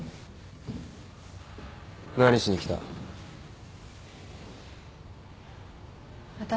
何しに来た？